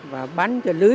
và bán cho lưu